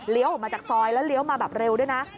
ออกมาจากซอยแล้วเลี้ยวมาแบบเร็วด้วยนะ